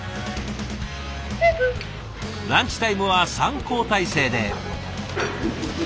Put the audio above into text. ランチタイムは３交代制で。